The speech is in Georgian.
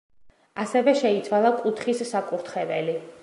ასევე შეიცვალა კუთხის საკურთხეველი.